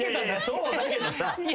そうだけどさ。